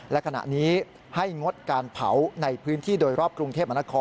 และขณะนี้ให้งดการเผาในพื้นที่โดยรอบกรุงเทพมนคร